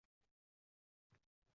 — Sevara, menga bir narsa qiziq